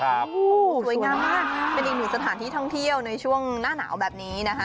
โอ้โหสวยงามมากเป็นอีกหนึ่งสถานที่ท่องเที่ยวในช่วงหน้าหนาวแบบนี้นะคะ